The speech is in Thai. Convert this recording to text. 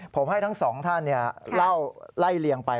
ผมให้ทั้งสองท่านเล่าไล่เลียงไป